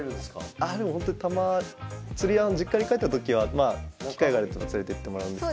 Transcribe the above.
ああでもほんとにたま釣りは実家に帰った時は機会があるときに連れてってもらうんですけど。